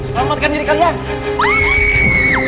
selamatkan diri kalian